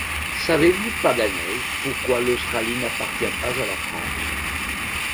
Savez-vous, Paganel, pourquoi l’Australie n’appartient pas à la France?